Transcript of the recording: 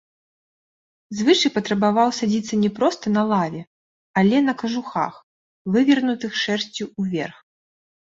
Звычай патрабаваў садзіцца не проста на лаве, але на кажухах, вывернутых шэрсцю ўверх.